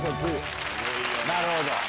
なるほど。